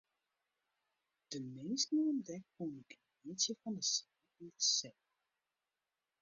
De minsken oan dek koene genietsje fan de sinne en de see.